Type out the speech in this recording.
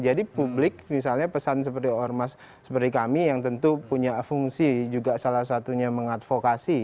jadi publik misalnya pesan seperti ormas seperti kami yang tentu punya fungsi juga salah satunya mengadvokasi